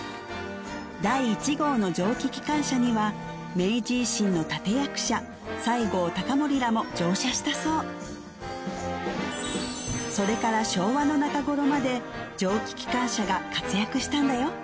第一号の蒸気機関車には明治維新の立役者西郷隆盛らも乗車したそうそれから昭和の中頃まで蒸気機関車が活躍したんだよ